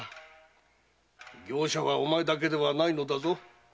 業者はお前だけではないのだぞ。